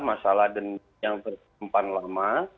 masalah dendam yang terkempan lama